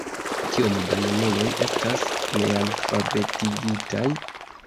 Kiom da junuloj estas nealfabetigitaj?